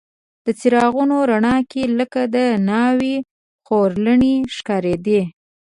د څراغونو رڼا کې لکه د ناوې خورلڼې ښکارېدې.